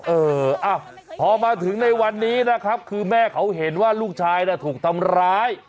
เออพอมาถึงในวันนี้นะครับคือแม่เขาเห็นว่าลูกชายน่ะถูกทำร้าย